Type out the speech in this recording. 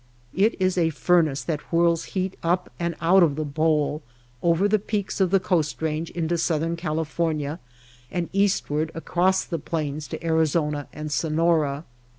It is a furnace that whirls heat up and out of the Bowl, over the peaks of the Coast Eange into Southern California, and eastward across the plains to Arizona and Sonora.